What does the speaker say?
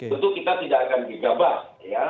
tentu kita tidak akan digabah